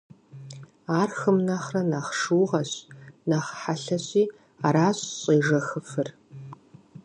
Ар хым нэхърэ нэхъ шыугъэщ, нэхъ хъэлъэщи аращ щӏежэхыфыр.